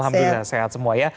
alhamdulillah sehat semua ya